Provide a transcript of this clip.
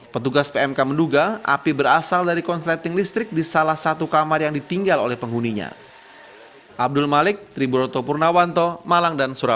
petugas pmk menduga api berasal dari konsleting listrik di salah satu kamar yang ditinggal oleh penghuninya